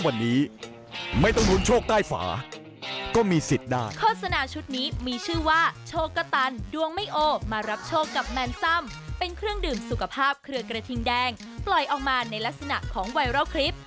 ติดตามเรื่องนี้จากรายงานครับ